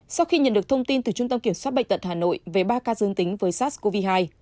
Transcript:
sau khi nhận được thông tin từ trung tâm kiểm soát bệnh tật hà nội về ba ca dương tính với sars cov hai